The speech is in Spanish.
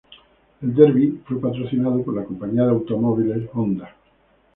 El derby fue patrocinado por la compañía de automóviles Honda.